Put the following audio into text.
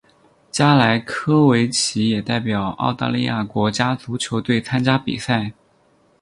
加莱科维奇也代表澳大利亚国家足球队参加比赛。